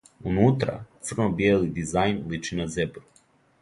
Унутра, црно-бијели дизајн личи на зебру.